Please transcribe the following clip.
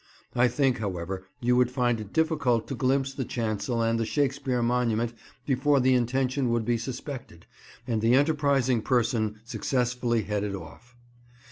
I think, however, you would find it difficult to glimpse the chancel and the Shakespeare monument before the intention would be suspected and the enterprising person successfully headed off.